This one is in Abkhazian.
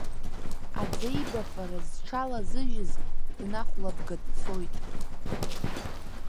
Аӡеибафара зҽалазыжьыз, днахәлабга дцоит.